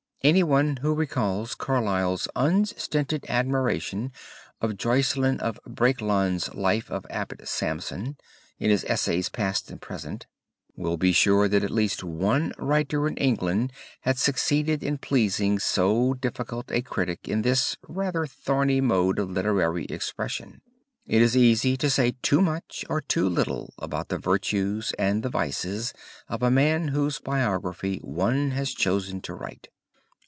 Any one who recalls Carlyle's unstinted admiration of Jocelyn of Brakelonds' life of Abbot Sampson in his essays Past and Present, will be sure that at least one writer in England had succeeded in pleasing so difficult a critic in this rather thorny mode of literary expression. It is easy to say too much or too little about the virtues and the vices of a man whose biography one has chosen to write.